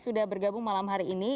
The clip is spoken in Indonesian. sudah bergabung malam hari ini